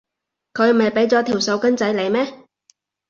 佢唔係畀咗條手巾仔你咩？